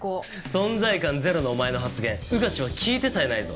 存在感ゼロのお前の発言穿地は聞いてさえないぞ。